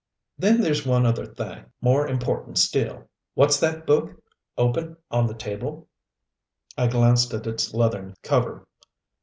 "Then there's one other thing more important still. What's that book, open, on the table?" I glanced at its leathern cover.